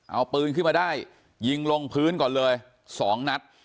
เอาปืนขึ้นมาได้ยิงลงพื้นก่อนเลย๒นัด